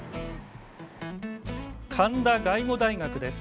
神田外語大学です。